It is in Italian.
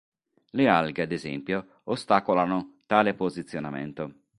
Le alghe, ad esempio, ostacolano tale posizionamento.